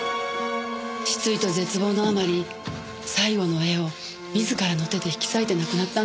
失意と絶望のあまり最後の絵を自らの手で引き裂いて亡くなったんですよね。